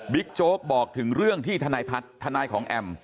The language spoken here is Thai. โจ๊กบอกถึงเรื่องที่ทนายพัฒน์ทนายของแอม